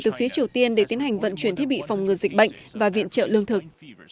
từ phía triều tiên để tiến hành vận chuyển thiết bị phòng ngừa dịch bệnh và viện trợ lương thực